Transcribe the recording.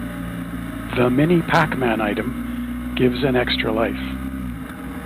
The mini Pac-Man item gives an extra life.